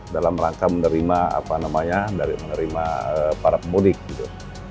dalam rangka menerima apa namanya dari menerima para pemudik gitu